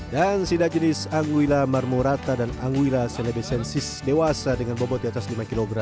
dan sidap jenis anguilla marmorata dan anguilla celebesensis dewasa dengan bobot di atas lima kg